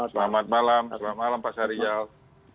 selamat malam pak syahrizal